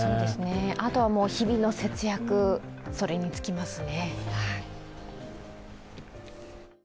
あとは日々の節約に尽きますね。